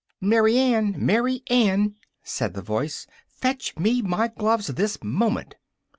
"Mary Ann! Mary Ann!" said the voice, "fetch me my gloves this moment!"